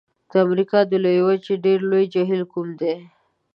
د امریکا د لویې وچې ډېر لوړ جهیل کوم دی؟